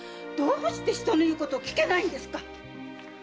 どうして人の言うことを聞けないんですか？